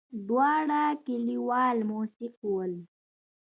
دواړه کليوال موسک ول.